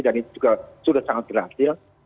dan itu juga sudah sangat berhasil